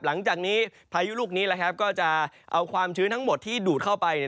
หลังจากนี้พายุลูกนี้ก็จะเอาความชื้นทั้งหมดที่ดูดเข้าไป